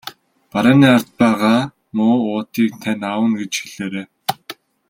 Барааны ард байгаа муу уутыг тань авна гэж хэлээрэй.